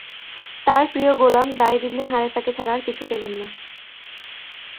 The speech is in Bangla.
তাঁর প্রিয় গোলাম যায়েদ ইবনে হারেছাকে ছাড়া আর কিছু পেলেন না।